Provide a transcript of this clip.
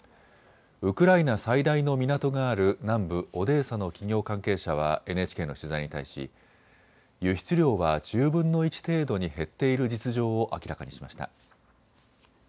ウクライナ最大の港がある南部オデーサの企業関係者はＮＨＫの取材に対し輸出量は１０分の１程度に減っている実情を明らかにしました。